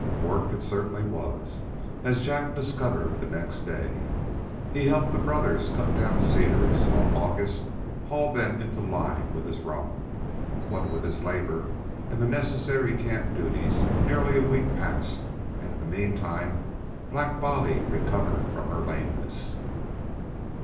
Work it certainly was, as Jack discovered next day. He helped the brothers cut down cedars while August hauled them into line with his roan. What with this labor and the necessary camp duties nearly a week passed, and in the mean time Black Bolly recovered from her lameness.